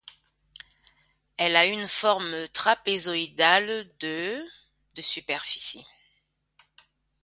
Elle a une forme trapézoïdale de de superficie.